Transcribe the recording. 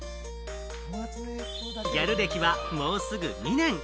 ギャル歴はもうすぐ２年。